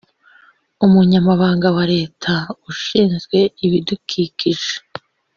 Umunyamabanga wa Leta Ushinzwe Ibidukikije